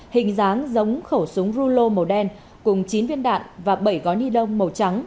hình dáng giống khẩu súng rulo màu đen cùng chín viên đạn và bảy gói nidông màu trắng